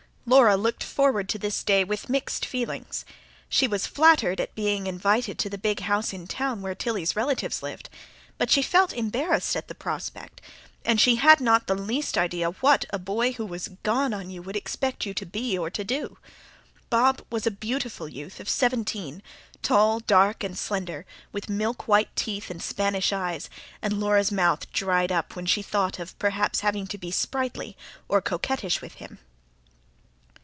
Laura looked forward to this day with mixed feelings. She was flattered at being invited to the big house in town where Tilly's relatives lived; but she felt embarrassed at the prospect, and she had not the least idea what a boy who was "gone" on you would expect you to be or to do. Bob was a beautiful youth of seventeen, tall, and dark, and slender, with milk white teeth and Spanish eyes; and Laura's mouth dried up when she thought of perhaps having to be sprightly or coquettish with him.